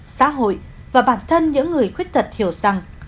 xã hội và bản thân những người khuyết tật hiểu rằng